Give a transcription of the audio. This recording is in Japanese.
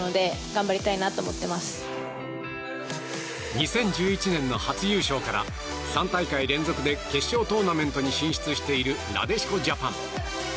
２０１１年の初優勝から３大会連続で決勝トーナメントに進出しているなでしこジャパン。